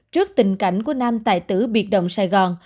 trước tình cảnh của nam tài tử biệt đồng sài gòn